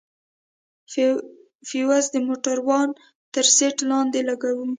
فيوز د موټروان تر سيټ لاندې لگوو.